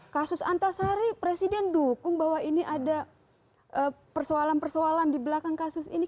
kasus antasari presiden dukung bahwa ini ada persoalan persoalan di belakang kasus ini